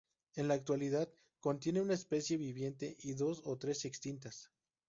En la actualidad contiene una especie viviente y dos o tres extintas.